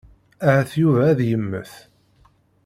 Ahat Yuba ad yemmet.